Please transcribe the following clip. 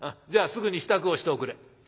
じゃあすぐに支度をしておくれ。